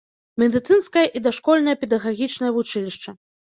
Медыцынскае і дашкольнае педагагічнае вучылішча.